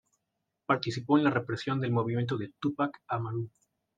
Participó en la represión del movimiento de Túpac Amaru.